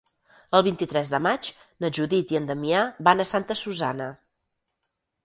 El vint-i-tres de maig na Judit i en Damià van a Santa Susanna.